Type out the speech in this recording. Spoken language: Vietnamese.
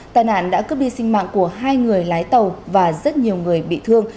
tài nạn đã cướp đi sinh mạng của hai người lái tàu và rất nhiều người bị thương